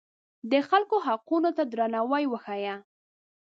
د خلکو حقونو ته درناوی وښیه.